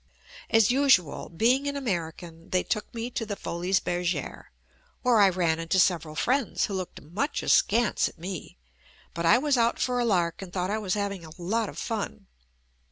As usual, being an American, they took me to the Foiies Bergere, where I ran into several friends, who looked much askance at me, but I was out for a lark and thought I was having a lot of fun.